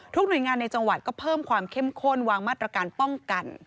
หน่วยงานในจังหวัดก็เพิ่มความเข้มข้นวางมาตรการป้องกัน